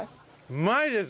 うまいです！